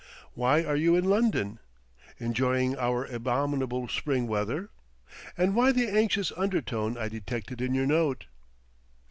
Why are you in London, enjoying our abominable spring weather? And why the anxious undertone I detected in your note?"